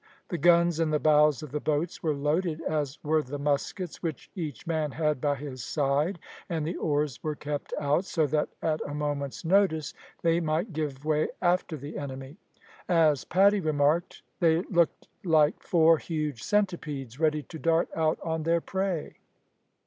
The guns in the bows of the boats were loaded, as were the muskets which each man had by his side, and the oars were kept out, so that at a moment's notice they might give way after the enemy. As Paddy remarked, "They looked like four huge centipedes ready to dart out on their prey."